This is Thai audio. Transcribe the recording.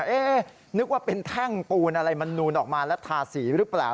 เอ๊ะนึกว่าเป็นแท่งปูนอะไรมันนูนออกมาแล้วทาสีหรือเปล่า